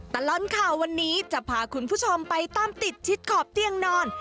ตลอดข่าววันนี้จะพาคุณผู้ชมไปตามติดชิดขอบเตียงนอน